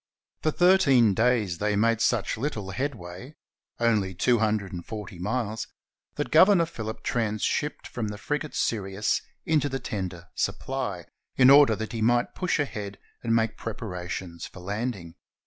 For thirteen days they made such little headway — only two hundred and forty miles — that Governor Phillip transshipped from the frigate Sirius into the tender Supply, in order that he might push ahead and make preparations for landing.